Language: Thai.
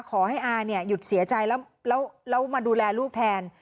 ขอให้อาเนี่ยหยุดเสียใจแล้วมาดูแลลูกแทน